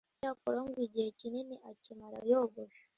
cyakora ngo igihe kinini akimara yogosha